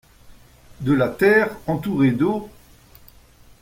De la terre entourée d’eau ?